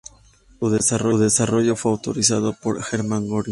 Su desarrollo fue autorizado por Hermann Göring.